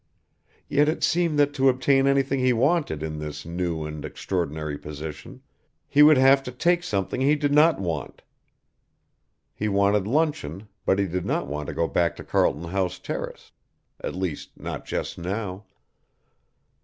Yet it seemed that to obtain anything he wanted in his new and extraordinary position, he would have to take something he did not want. He wanted luncheon but he did not want to go back to Carlton House Terrace, at least not just now.